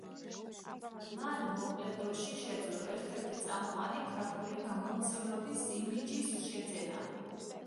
მან მოკლე დროში შესძლო ერთ–ერთი წამყვანი ქართული გამომცემლობის იმიჯის შეძენა.